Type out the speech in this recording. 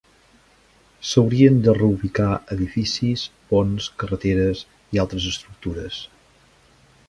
S'haurien de reubicar edificis, ponts, carreteres i altres estructures.